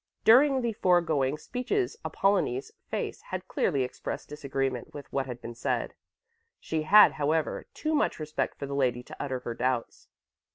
During the foregoing speeches Apollonie's face had clearly expressed disagreement with what had been said; she had, however, too much respect for the lady to utter her doubts.